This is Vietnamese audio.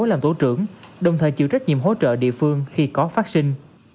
làm tổ trưởng đồng thời chịu trách nhiệm hỗ trợ địa phương khi có vắc xin